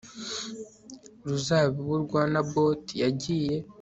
ruzabibu rwa naboti yagiye